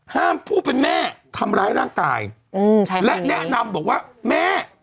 ห้ามผู้เป็นแม่ทำร้ายร่างกายและแนะนำบอกว่าแม่